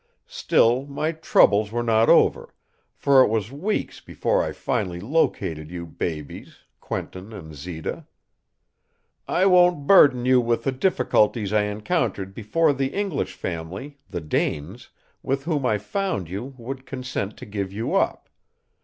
Still, my troubles were not over, for it was weeks before I finally located you babies, Quentin and Zita. "I won't burden you with the difficulties I encountered before the English family, the Danes, with whom I found you, would consent to give you up.